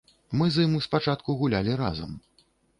Мы з ім спачатку гулялі разам.